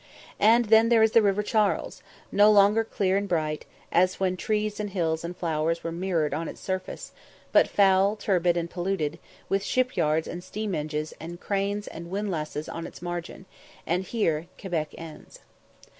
And then there is the river Charles, no longer clear and bright, as when trees and hills and flowers were mirrored on its surface, but foul, turbid, and polluted, with ship yards and steam engines and cranes and windlasses on its margin; and here Quebec ends.